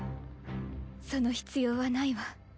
その必要はないわ。